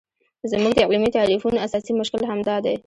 زموږ د علمي تعریفونو اساسي مشکل همدا دی.